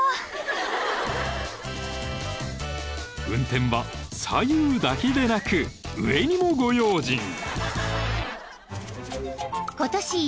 ［運転は左右だけでなく上にもご用心］